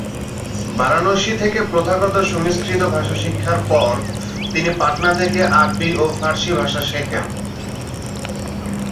বারাণসী থেকে প্রথাগত সংস্কৃত ভাষা শিক্ষার পর তিনি পাটনা থেকে আরবি ও ফারসি ভাষা ভাষা শেখেন।